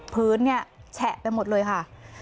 พื้นแฉะไปหมดเลยค่ะ